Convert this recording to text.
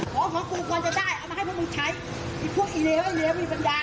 ของของกูกว่าจะได้เอามาให้พวกมึงใช้พวกไอ้เหลวไอ้เหลวมีบรรยา